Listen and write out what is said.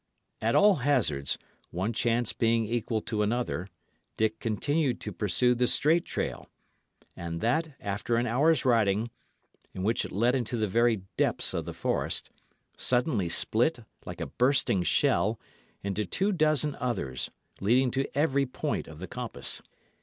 At all hazards, one chance being equal to another, Dick continued to pursue the straight trail; and that, after an hour's riding, in which it led into the very depths of the forest, suddenly split, like a bursting shell, into two dozen others, leading to every point of the compass.